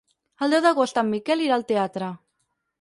El deu d'agost en Miquel irà al teatre.